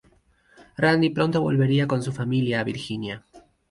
Randy pronto volvería con su familia a Virginia.